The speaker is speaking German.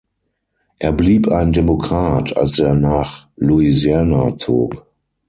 Er blieb ein Demokrat, als er nach Louisiana zog.